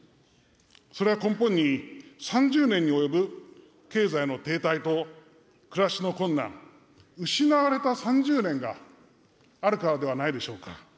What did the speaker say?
それは根本に３０年に及ぶ経済の停滞と暮らしの困難、失われた３０年があるからではないでしょうか。